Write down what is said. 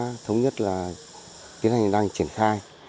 ủy ban huyện đã thống nhất là tiến hành đang triển khai